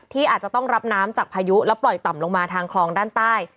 ที่อาจจะต้องรับน้ำจากพายุแล้วปล่อยต่ำลงมาทางคลองด้านใต้